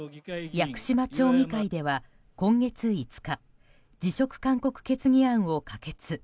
屋久島町議会では今月５日辞職勧告決議案を可決。